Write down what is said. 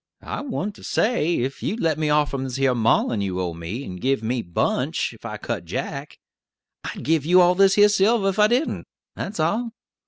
I went to say that ef you'd let me off from this her maulin' you owe me, and give me 'Bunch,' if I cut Jack, I'd give you all this here silver, ef I didn't, that's all.